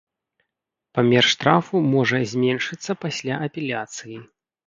Памер штрафу можа зменшыцца пасля апеляцыі.